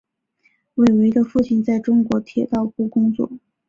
韦唯的父亲在中国铁道部工作。